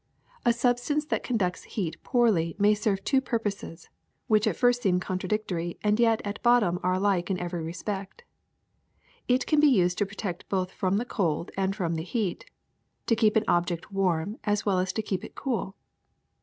A substance that conducts heat poorly may serve two purposes which at first seem contradictory and yet at bottom are alike in every respect. It can be used to protect both from the cold and from the heat, to keep an object warm as well as to keep it cool.